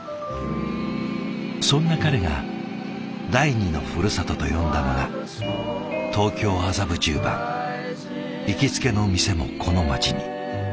そんな彼が第二のふるさとと呼んだのが行きつけの店もこの街に。